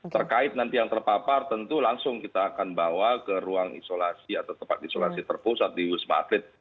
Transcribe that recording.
terkait nanti yang terpapar tentu langsung kita akan bawa ke ruang isolasi atau tempat isolasi terpusat di wisma atlet